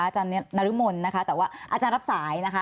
อาจารย์นรมนต์นะคะแต่ว่าอาจารย์รับสายนะคะ